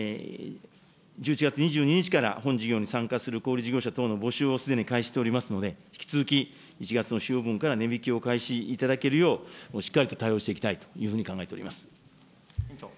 １１月２２日から、本事業に参加する小売り事業者等の募集をすでに開始しておりますので、引き続き１月の使用分から値引きを開始いただけるよう、しっかりと対応していきたいというふうに考えております。